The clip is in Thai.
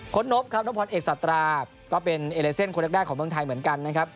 นบครับนพรเอกสัตราก็เป็นเอเลเซนคนแรกของเมืองไทยเหมือนกันนะครับ